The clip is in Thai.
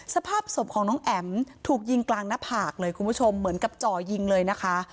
สภาพศพของน้องแอ๋มถูกยิงกลางหน้าผากเลยคุณผู้ชมเหมือนกับจ่อยิงเลยนะคะ